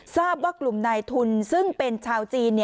ทราบว่ากลุ่มนายทุนซึ่งเป็นชาวจีน